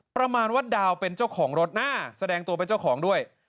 ประมาณว่าดาวเป็นเจ้าของรถนะแสดงตัวเป็นเจ้าของด้วย